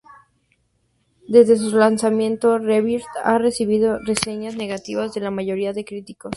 Desde su lanzamiento, "Rebirth" ha recibido reseñas negativas de la mayoría de críticos.